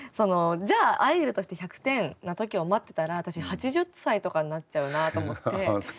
じゃあアイドルとして１００点の時を待ってたら私８０歳とかになっちゃうなと思って。